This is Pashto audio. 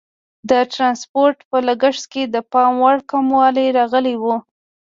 د ټرانسپورټ په لګښت کې د پام وړ کموالی راغلی وو.